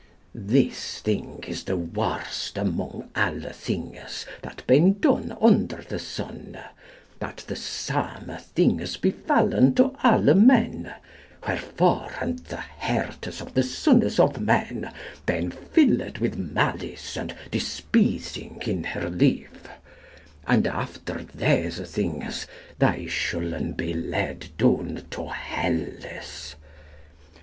This things is the worste among alle thingis, that ben don vndur the sunne, that the same thingis bifallen to alle men ; wherfor and the hertis of the sones of men ben fillid with malice and* dispisyng in her lijf ; and aftir these thingis thei schulen be led doun to? hellis.